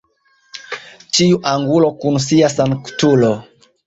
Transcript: Ĉiu angulo kun sia sanktulo.